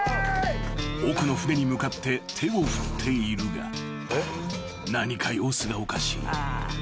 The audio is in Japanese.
［奥の船に向かって手を振っているが何か様子がおかしい］